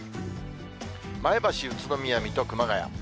前橋、宇都宮、水戸、熊谷。